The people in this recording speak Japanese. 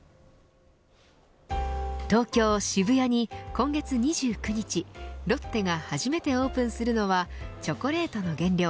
東京、渋谷に今月２９日ロッテが初めてオープンするのはチョコレートの原料